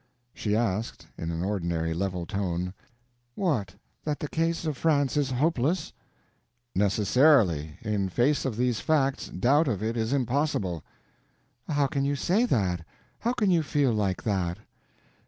She asked, in an ordinary, level tone: "What—that the case of France is hopeless?" "Necessarily. In face of these facts, doubt of it is impossible." "How can you say that? How can you feel like that?"